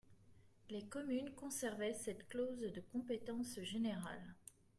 Les communes conservaient cette clause de compétence générale.